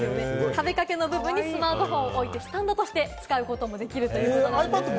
壁掛けのところにスマートフォンを置いてスタンドとして使えることができるんです。